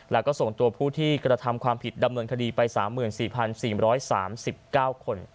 แล้วก็ส่งตัวผู้ที่กระทำความผิดดำเนินคดีไป๓๔๔๓๙คน